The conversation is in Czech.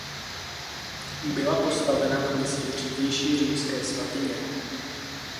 Byla postavena na místě dřívější římské svatyně.